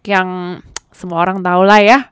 yang semua orang tahu lah ya